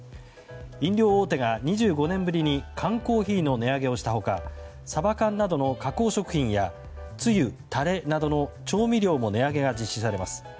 飲料大手が２５年ぶりに缶コーヒーの値上げをした他サバ缶などの加工食品やつゆ・たれなどの調味料の値上げも実施されます。